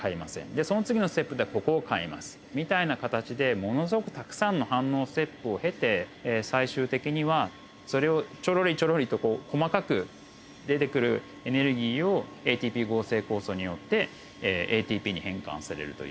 でその次のステップではここを変えますみたいな形でものすごくたくさんの反応ステップを経て最終的にはそれをチョロリチョロリと細かく出てくるエネルギーをＡＴＰ合成酵素によってＡＴＰに変換されるという訳であります。